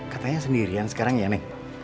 katanya sendirian sekarang ya nek